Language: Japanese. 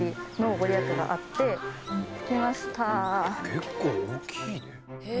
結構大きいね。